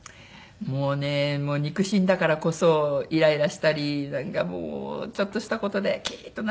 もうね肉親だからこそイライラしたりなんかもうちょっとした事でキーッとなっちゃうんですけどね